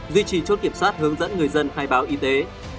duy trì chốt kiểm soát hướng dẫn người dân khai báo y tế